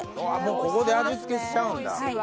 ここで味付けしちゃうんだ。